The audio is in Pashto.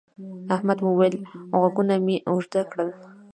احمد وويل: غوږونه مې اوږده کړل.